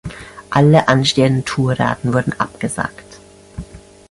Alle anstehenden Tourdaten wurden abgesagt.